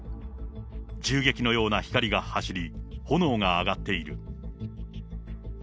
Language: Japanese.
銃撃のような光が走り、炎が上がっている。